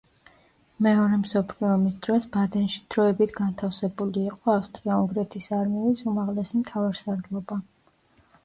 მეორე მსოფლიო ომის დროს, ბადენში დროებით განთავსებული იყო ავსტრია-უნგრეთის არმიის უმაღლესი მთავარსარდლობა.